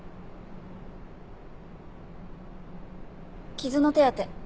傷の手当て